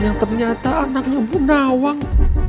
yang ternyata anaknya bu nawang